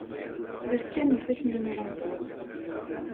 Rkan yifassen-nwen.